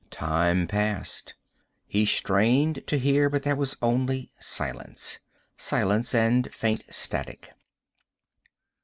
Time passed. He strained to hear, but there was only silence. Silence, and faint static.